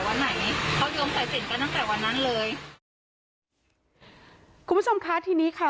วันไหนเขาโยมสายสินกันตั้งแต่วันนั้นเลยคุณผู้ชมคะทีนี้ค่ะ